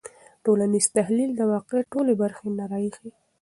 ټولنیز تحلیل د واقعیت ټولې برخې نه راښيي.